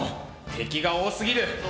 敵が多すぎる。